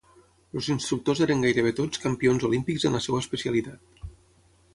Els instructors eren gairebé tots campions olímpics en la seva especialitat.